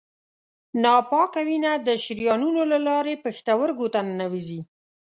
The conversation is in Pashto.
ناپاکه وینه د شریانونو له لارې پښتورګو ته ننوزي.